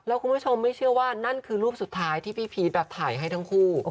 แล้วคุณผู้ชมไม่เชื่อว่านั่นคือรูปสุดท้ายที่พี่พีชถ่ายให้ทั้งคู่